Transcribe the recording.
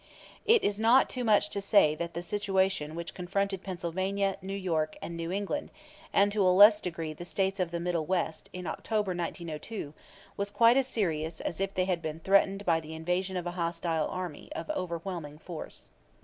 It is not too much to say that the situation which confronted Pennsylvania, New York, and New England, and to a less degree the States of the Middle West, in October, 1902, was quite as serious as if they had been threatened by the invasion of a hostile army of overwhelming force.